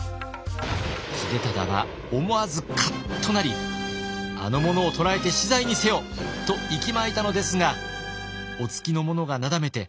秀忠は思わずカッとなり「あの者を捕らえて死罪にせよ！」といきまいたのですがお付きの者がなだめて